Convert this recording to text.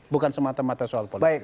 bukan semata mata soal politik